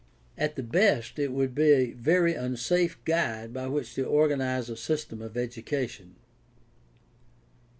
At the best it would be a very unsafe guide by which to organize a system of education.